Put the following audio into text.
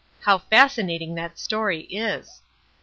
How fascinating that story is!